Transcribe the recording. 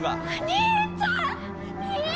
兄ちゃん！